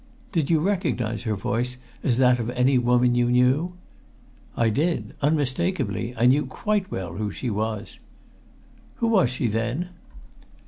"Did you recognize her voice as that of any woman you knew?" "I did unmistakably! I knew quite well who she was." "Who was she, then?"